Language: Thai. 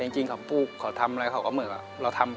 จริงเขาปลูกเขาทำอะไรเขาก็เหมือนก็